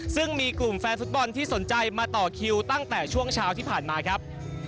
ซึ่งมีกลุ่มแฟนฟุตบอลที่สนใจมาต่อคิวตั้งแต่ช่วงเช้าที่ผ่านมาครับ